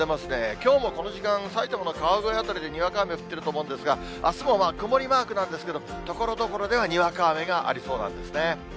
きょうもこの時間、埼玉の川越辺りでにわか雨、降ってると思うんですが、あすも曇りマークなんですけど、ところどころではにわか雨がありそうなんですね。